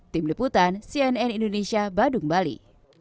tim liputan cnn indonesia badung bali